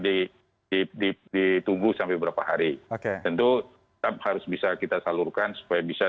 ditunggu sampai beberapa hari tentu harus bisa kita salurkan supaya bisa